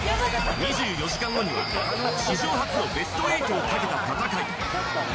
２４時間後には史上初のベスト８をかけた戦い。